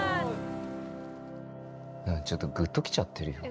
ちょっとグッときちゃってるよ。